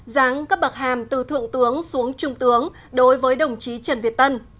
giáng cấp bậc hàm từ thượng tướng xuống trung tướng đối với đồng chí trần việt tân